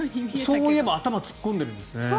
そういえば頭を突っ込んでるんですね。